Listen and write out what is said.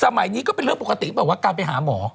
สมัยนี้ก็เป็นเรื่องปกติแบบว่าการไปหาหมอ